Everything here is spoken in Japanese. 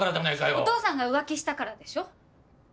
お父さんが浮気したからでしょ？